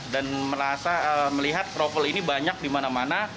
merasa melihat kroffel ini banyak di mana mana